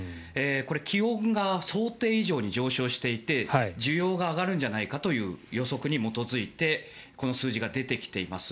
これ、気温が想定以上に上昇していて需要が上がるんじゃないかという予測に基づいてこの数字が出てきています。